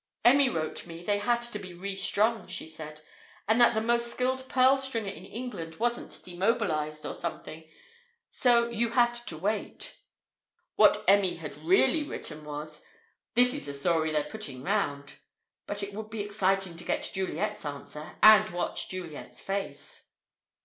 "Emmy wrote me they had to be re strung," she said. "And that the most skilled pearl stringer in England wasn't demobilized, or something; so you had to wait." What Emmy had really written was, "This is the story they're putting round." But it would be exciting to get Juliet's answer, and watch Juliet's face.